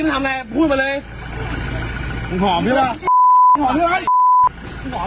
พี่เธอเชื่อว่าเกี่ยวกินไหม